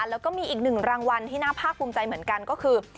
แล้วก็มีอีกหนึ่งรางวัลที่น่าภาคภูมิใจเหมือนกันก็คือ